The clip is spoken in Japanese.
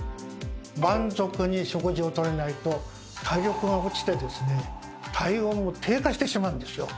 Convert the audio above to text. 満足に食事をとれないと体力が落ちてですね体温も低下してしまうんですよ。